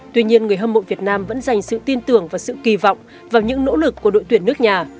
tuy nhiên người hâm mộ việt nam vẫn dành sự tin tưởng và sự kỳ vọng vào những nỗ lực của đội tuyển nước nhà